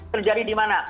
terjadi di mana